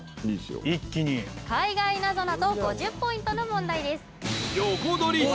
一気に海外なぞなぞ５０ポイントの問題です